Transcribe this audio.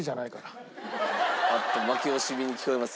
あっと負け惜しみに聞こえます。